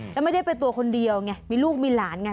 แล้วไม่ได้ไปตัวคนเดียวไงมีลูกมีหลานไง